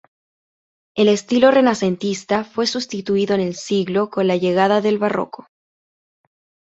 El estilo renacentista fue sustituido en el siglo con la llegada del barroco.